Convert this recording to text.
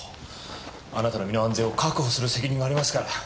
あなたの身の安全を確保する責任がありますから。